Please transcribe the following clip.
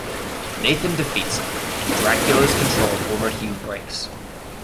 Nathan defeats him, and Dracula's control over Hugh breaks.